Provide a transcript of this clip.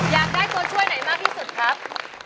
อยากได้ตัวช่วยไหนมากที่สุดครับ